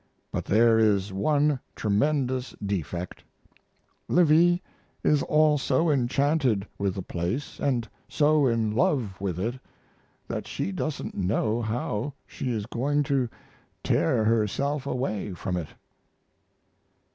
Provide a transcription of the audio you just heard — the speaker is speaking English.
But there is one tremendous defect. Livy is all so enchanted with the place & so in love with it that she doesn't know how she is going to tear herself away from it.